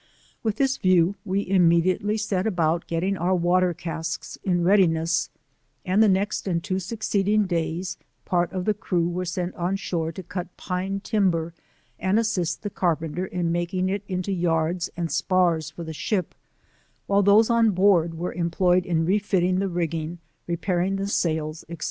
With this view, we immediately set about getting our water casks in readiness, and the next and two succeeding days, part of the crew were sent oo shore to cut pine timber, and assist the carpenter in making it into yards and spars for the ship, while those on board were employed in re fitting the rigging, repairing the sails, &c.